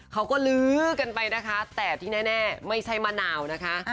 ลื้อกันไปนะคะแต่ที่แน่ไม่ใช่มะนาวนะคะ